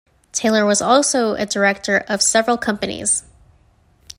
Taylor was also a director of several companies.